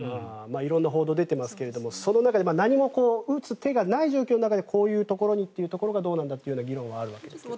色んな報道が出ていますがその中で何も打つ手がない状況の中でこういうところにというのがどうなんだという議論があるようですね。